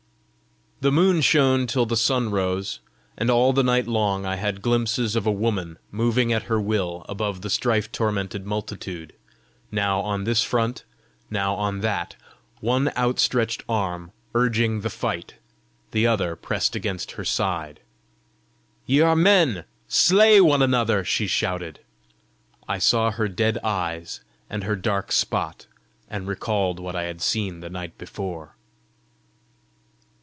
The moon shone till the sun rose, and all the night long I had glimpses of a woman moving at her will above the strife tormented multitude, now on this front now on that, one outstretched arm urging the fight, the other pressed against her side. "Ye are men: slay one another!" she shouted. I saw her dead eyes and her dark spot, and recalled what I had seen the night before.